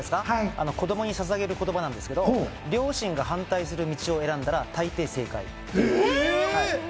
子供にささげる言葉なんですけど、両親が反対する道を選んだら大抵正解。